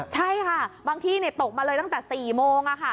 ใช่ค่ะบางที่ตกมาเลยตั้งแต่๔โมง